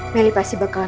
meli pasti bakalan